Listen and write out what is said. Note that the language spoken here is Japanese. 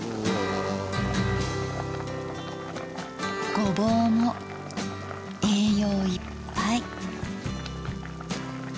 ごぼうも栄養いっぱい。